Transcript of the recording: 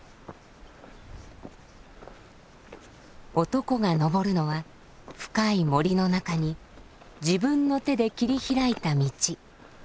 男が登るのは深い森の中に自分の手で切り開いた道。